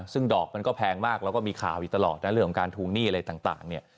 ซึ่งดอกมันก็แพงมากแล้วก็มีข่าวอยู่ตลอดนะเรื่องของการทวงหนี้อะไรต่างเนี่ย